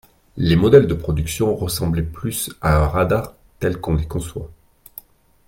Les modèles de production ressemblaient plus à un radar tel qu'on les conçoit.